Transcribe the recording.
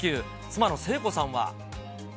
妻の聖子さんは。